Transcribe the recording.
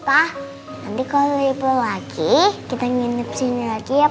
pak nanti kalau ribet lagi kita nginep sini lagi ya pak